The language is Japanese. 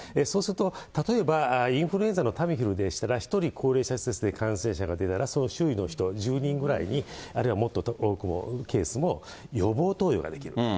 そうすると、例えばインフルエンザのタミフルでしたら、１人高齢者施設で感染者が出たら、周囲の人１０人ぐらいに、あるいはもっと多くのケースも予防投与ができる。